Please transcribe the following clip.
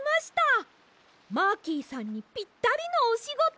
マーキーさんにぴったりのおしごと！